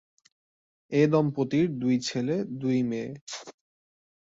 এ দম্পতির দুই ছেলে, দুই মেয়ে।